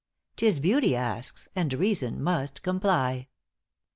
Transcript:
```'Tis beauty asks, and reason must comply."